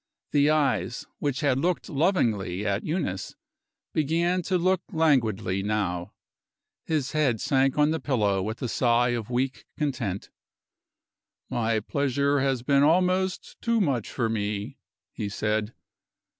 The eyes which had looked lovingly at Eunice began to look languidly now: his head sank on the pillow with a sigh of weak content. "My pleasure has been almost too much for me," he said.